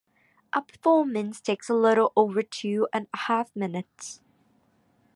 A performance takes a little over two and a half minutes.